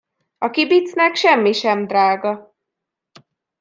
A kibicnek semmi sem drága.